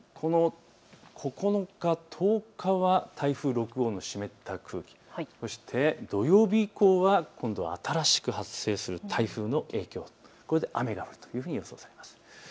雨や曇り、９日、１０日は台風６号の湿った空気、そして土曜日以降は新しく発生する台風の影響、これで雨が降るというふうに予想されます。